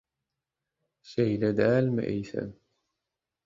Şeýle dälmi, eýsem?